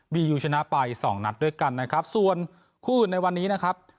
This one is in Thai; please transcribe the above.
ยูชนะไปสองนัดด้วยกันนะครับส่วนคู่อื่นในวันนี้นะครับ